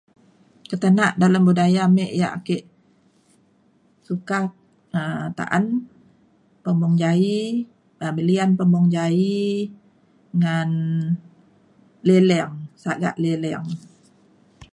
ketenak dalem buaya me yak ake suka um ta’an pemung ja’ie um belian pemung ja’ie ngan leleng sagak leleng